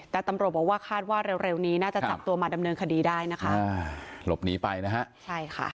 แต่ตำรวจบอกว่าคาดว่าเร็วเร็วนี้น่าจะจับตัวมาดำเนินคดีได้นะคะหลบหนีไปนะฮะใช่ค่ะ